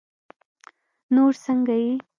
نور سنګه یی